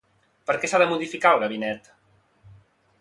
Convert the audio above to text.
Per què s'ha de modificar el gabinet?